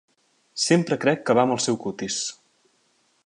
Sempre crec que va amb el seu cutis.